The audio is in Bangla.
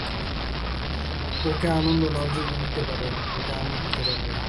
ওকে আনন্দ দিতে নাও যদি পার, ওকে আমোদ দিতে পারবে।